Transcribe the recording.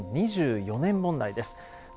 ２０２４年問題です。